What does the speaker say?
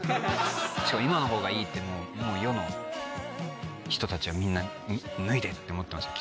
今のほうがいいってもう世の人たちはみんな「脱いで！」って思ってましたよ